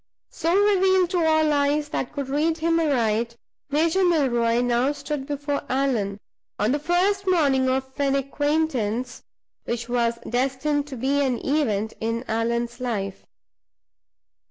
So revealed to all eyes that could read him aright, Major Milroy now stood before Allan, on the first morning of an acquaintance which was destined to be an event in Allan's life.